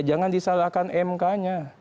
jangan disalahkan mk nya